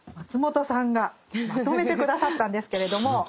松本さんがまとめて下さったんですけれども。